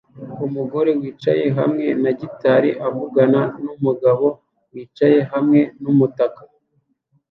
Umugore wicaye hamwe na gitari avugana numugabo wicaye hamwe numutaka